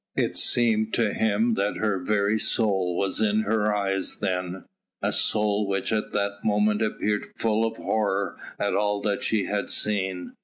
It seemed to him that her very soul was in her eyes then, a soul which at that moment appeared full of horror at all that she had seen.